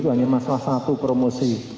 hanya masalah satu promosi